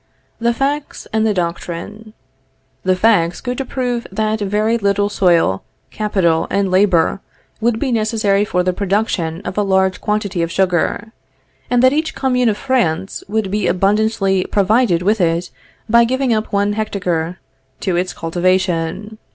The facts and the doctrine. The facts go to prove that very little soil, capital, and labor would be necessary for the production of a large quantity of sugar; and that each commune of France would be abundantly provided with it by giving up one hectare to its cultivation.